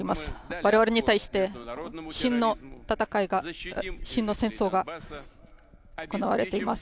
我々に対して真の戦い、真の戦争が行われています。